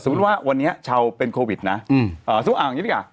เอ่อสมมุติว่าวันนี้ชาวเป็นโควิดนะอืมเอ่อสมมุติว่าอ่าอย่างงี้ดีกว่า